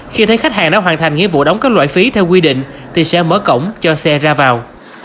khi thấy khách hàng đã hoàn thành nghĩa vụ đóng các loại phí theo quy định thì sẽ mở cổng cho xe ra vào